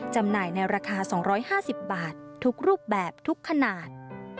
จำหน่ายในราคา๒๕๐บาททุกรูปแบบทุกขนาด